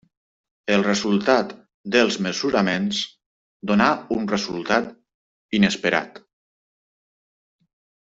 El resultat dels mesuraments donà un resultat inesperat.